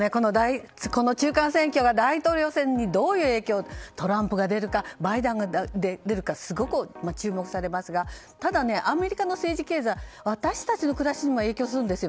この中間選挙が大統領選挙にどういう影響をトランプが出るかバイデンが出るかすごく注目されますがただ、アメリカの政治経済私たちの暮らしにも影響するんです。